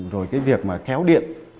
rồi cái việc mà kéo điện